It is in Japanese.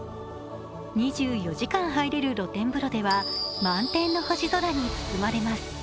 ２４時間入れる露天風呂では満天の星空に包まれます。